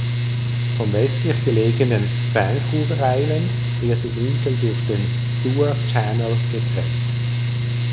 Vom westlich gelegenen Vancouver Island wird die Insel durch den "Stuart Channel" getrennt.